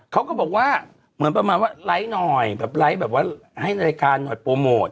เขาก็บอกว่าเหมือนประมาณว่าไลค์หน่อยแบบไลค์แบบว่าให้รายการหน่อยโปรโมท